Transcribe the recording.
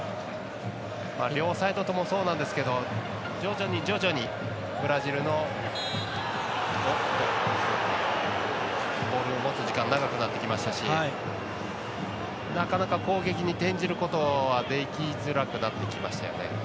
両サイドともにそうなんですけど徐々にブラジルのボールを持つ時間が長くなってきましたしなかなか攻撃に転じることはできづらくなってきましたよね。